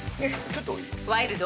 ちょっと多い。